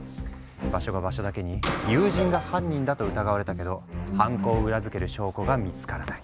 場所が場所だけに友人が犯人だと疑われたけど犯行を裏付ける証拠が見つからない。